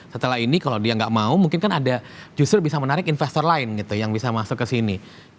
setelah ini kalau dia nggak mau mungkin kan ada justru bisa menarik investor lain gitu yang bisa masuk ke sini